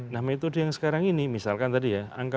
nah metode yang sekarang ini misalkan tadi ya angka empat puluh